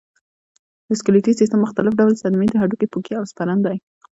د سکلیټي سیستم مختلف ډول صدمې د هډوکو پوکی او سپرن دی.